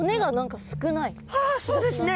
あそうですね。